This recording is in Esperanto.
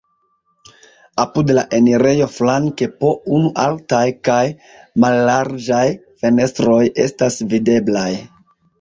Apud la enirejo flanke po unu altaj kaj mallarĝaj fenestroj estas videblaj.